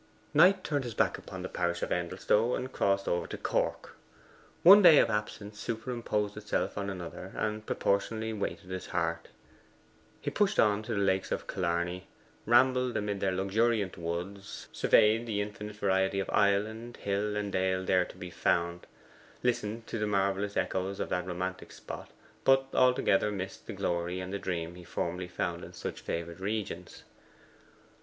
Knight turned his back upon the parish of Endelstow, and crossed over to Cork. One day of absence superimposed itself on another, and proportionately weighted his heart. He pushed on to the Lakes of Killarney, rambled amid their luxuriant woods, surveyed the infinite variety of island, hill, and dale there to be found, listened to the marvellous echoes of that romantic spot; but altogether missed the glory and the dream he formerly found in such favoured regions.